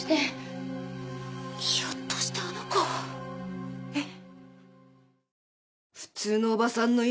ひょっとしてあの子。えっ？